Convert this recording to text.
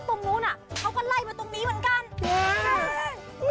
ตรงนู้นน่ะเขาก็ไล่มาตรงนี้เหมือนกัน